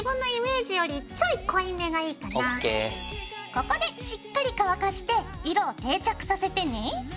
ここでしっかり乾かして色を定着させてね。